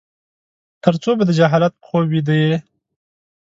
ترڅو به د جهالت په خوب ويده يې ؟